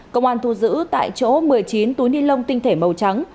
công an thu giữ tại chỗ một mươi chín túi ni lông tinh thể màu trắng